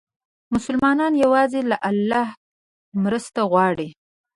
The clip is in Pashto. مسلمان یوازې له الله مرسته غواړي.